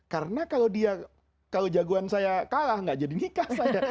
karena kalau dia kalau jagoan saya kalah gak jadi nikah saya